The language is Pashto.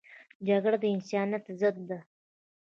جګړه د انسانیت ضد ده